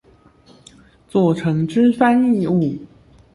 作成之翻譯物